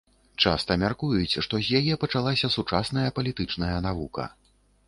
Часта мяркуюць, што з яе пачалася сучасная палітычная навука.